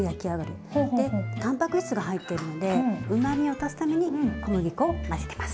でたんぱく質が入っているのでうまみを足すために小麦粉を混ぜてます。